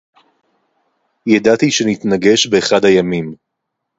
יָדַעְתִּי שֶׁנִּתְנַגֵּשׁ בְּאַחַד הַיָּמִים.